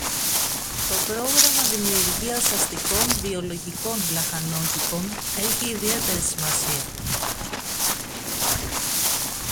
το πρόγραμμα δημιουργίας αστικών βιολογικών λαχανόκηπων έχει ιδιαίτερη σημασία